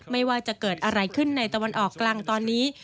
ไม่ว่าจะเกิดอะไรขึ้นในตะวันออกกลางตอนนี้